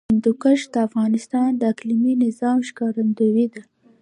هندوکش د افغانستان د اقلیمي نظام ښکارندوی ده.